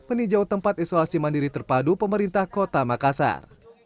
meninjau tempat isolasi mandiri terpadu pemerintah kota makassar